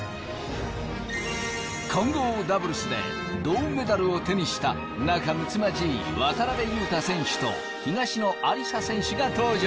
混合ダブルスで銅メダルを手にした仲むつまじい渡辺勇大選手と東野有紗選手が登場。